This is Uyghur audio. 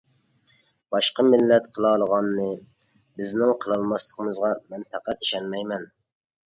باشقا مىللەت قىلالىغاننى بىزنىڭ قىلماسلىقىمىزغا مەن پەقەت ئىشەنمەيمەن.